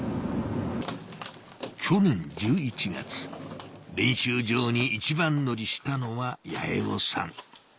去年１１月練習場に一番乗りしたのは八重尾さん